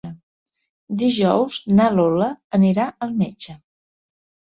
Dijous na Lola anirà al metge.